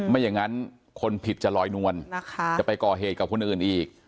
ไม่อย่างนั้นคนผิดจะลอยนวลจะไปก่อเหตุกับคนอื่นอีก